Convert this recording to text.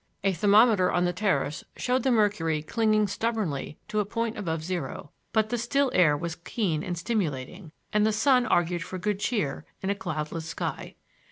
A thermometer on the terrace showed the mercury clinging stubbornly to a point above zero; but the still air was keen and stimulating, and the sun argued for good cheer in a cloudless sky.